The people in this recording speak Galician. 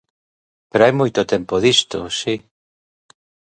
Pero hai moito tempo disto, si.